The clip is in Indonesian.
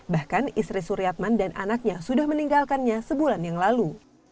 bahkan istri suryatman dan anaknya sudah meninggalkannya sebulan yang lalu